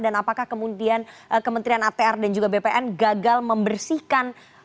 dan apakah kemudian kementerian atr dan juga bpn gagal membersihkan